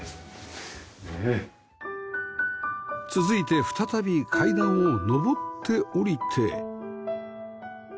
続いて再び階段を上って下りて